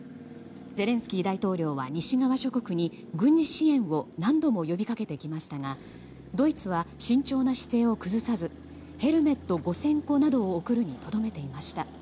ゼレンスキー大統領は西側諸国に軍事支援を何度も呼び掛けてきましたがドイツは慎重な姿勢を崩さずヘルメット５０００個などを送るにとどめていました。